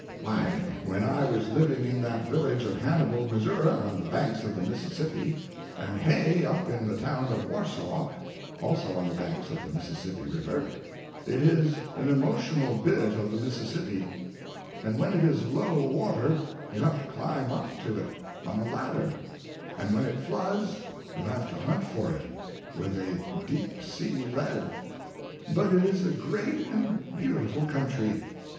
Why, when I was living in that village of Hannibal, Missouri, on the banks of the Mississippi, and Hay up in the town of Warsaw, also on the banks of the Mississippi River it is an emotional bit of the Mississippi, and when it is low water you have to climb up to it on a ladder, and when it floods you have to hunt for it; with a deep sea lead—but it is a great and beautiful country.